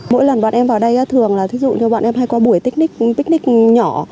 mỗi lần bọn em vào đây thường là thí dụ như bọn em hay qua buổi picnic nhỏ